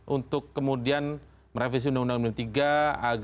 untuk kemudian merevisi undang undang md tiga